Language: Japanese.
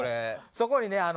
そこにね